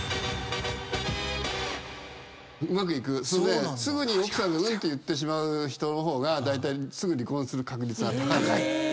えっ⁉すぐに奥さんが「うん」って言ってしまう人の方がだいたいすぐ離婚する確率が高い。